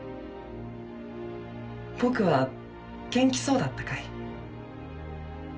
僕は元気そうだったかい？